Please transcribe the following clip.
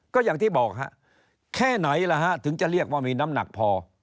ก็อย่างที่บอกฮะแค่ไหนล่ะฮะถึงจะเรียกว่ามีน้ำหนักพอ